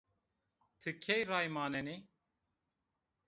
Ti key ray manenî?